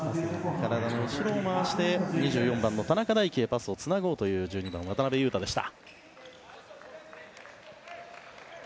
体の後ろを回して田中大貴へパスをつなごうという１２番、渡邊雄太でした。